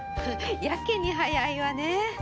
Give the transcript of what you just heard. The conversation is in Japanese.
やけに早いわね。